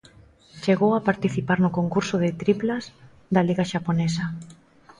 Chegou a participar no concurso de triplas da Liga xaponesa.